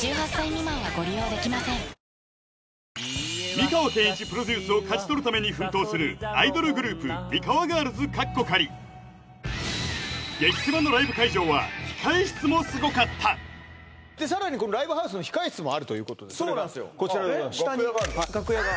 美川憲一プロデュースを勝ち取るために奮闘するアイドルグループミカワガールズ激せまのライブ会場は控え室もすごかったさらにこのライブハウスの控え室もあるということでそれがこちらでございます